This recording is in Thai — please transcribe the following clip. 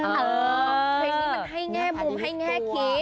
เพลงนี้มันให้แง่มุมให้แง่คิด